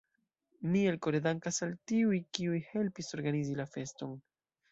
Mi elkore dankas al tiuj, kiuj helpis organizi la feston.